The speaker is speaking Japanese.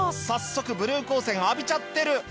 早速ブルー光線浴びちゃってる。